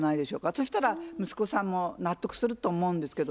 そしたら息子さんも納得すると思うんですけど。